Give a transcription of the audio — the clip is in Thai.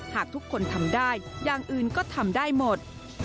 หากทุกคนทำได้อย่างอื่นก็ทำได้หมด